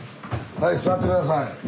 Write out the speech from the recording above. はい座って下さい。